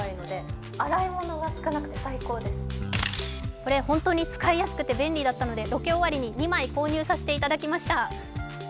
これ、本当に使いやすくて便利だったのでロケ終わりに２枚購入させていただきました。